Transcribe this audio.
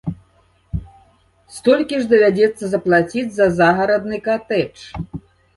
Столькі ж давядзецца заплаціць за загарадны катэдж.